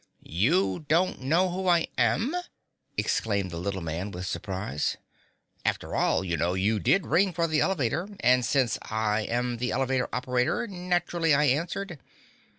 "You don't know who I am?" exclaimed the little man with surprise. "After all, you know you did ring for the elevator, and since I am the elevator operator, naturally I answered.